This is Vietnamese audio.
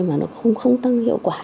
mà nó không tăng hiệu quả